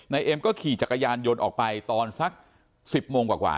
เอ็มก็ขี่จักรยานยนต์ออกไปตอนสัก๑๐โมงกว่า